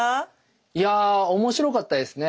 いや面白かったですね。